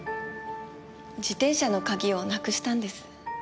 自転車の鍵をなくしたんです。